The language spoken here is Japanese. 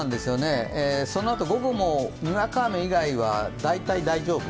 そのあと午後もにわか雨以外は大体大丈夫？